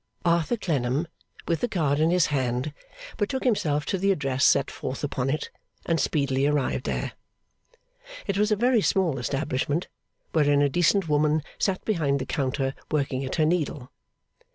Arthur Clennam, with the card in his hand, betook himself to the address set forth upon it, and speedily arrived there. It was a very small establishment, wherein a decent woman sat behind the counter working at her needle.